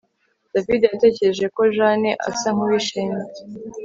David yatekereje ko Jane asa nkuwishimye